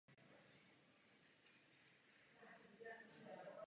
Tým rovněž trápil vysoký počet zranění.